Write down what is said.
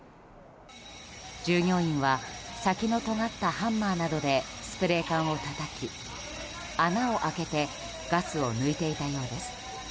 従業員は先のとがったハンマーなどでスプレー缶をたたき穴を開けてガスを抜いていたようです。